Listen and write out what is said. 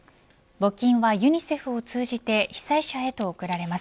募金はユニセフを通じて被災者へと送られます。